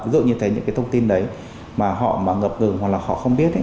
ví dụ như thấy những thông tin đấy mà họ ngập ngừng hoặc không biết